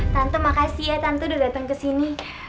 tante makasih ya tante udah datang ke sini